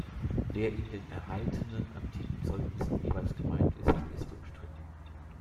Wer in den erhaltenen antiken Zeugnissen jeweils gemeint ist, ist umstritten.